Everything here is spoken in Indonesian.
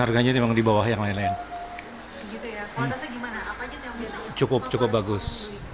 harganya memang dibawah yang lain lain cukup cukup bagus